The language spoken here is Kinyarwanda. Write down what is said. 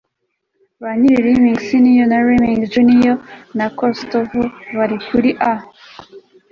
banyiri - hrymin seniors, hrymin juniors, na kostukov - bari kuri a